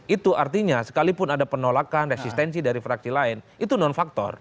itu artinya sekalipun ada penolakan resistensi dari fraksi lain itu non faktor